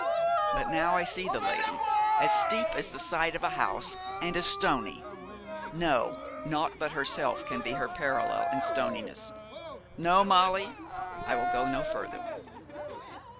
But now I see the lady as steep as the side of a house, and as stony no, naught but herself can be her parallel in stoniness. No, Molly, I will go no further.'